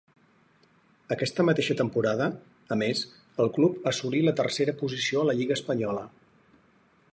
Aquesta mateixa temporada, a més, el club assolí la tercera posició a la lliga espanyola.